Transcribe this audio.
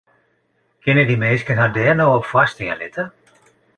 Kinne dy minsken har dêr no op foarstean litte?